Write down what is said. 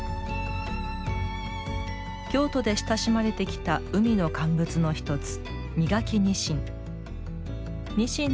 京都で親しまれてきた海の乾物のひとつ「身欠きにしん」。